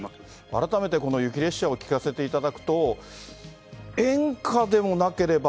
改めてこの雪列車を聴かせていただくと、演歌でもなければ、